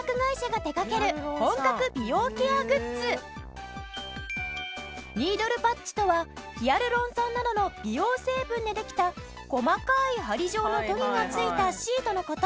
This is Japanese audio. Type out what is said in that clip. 大手ニードルパッチとはヒアルロン酸などの美容成分でできた細かい針状のトゲがついたシートの事。